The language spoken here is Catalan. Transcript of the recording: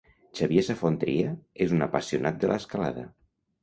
Xavier Safont-Tria és un apassionat de l'escalada.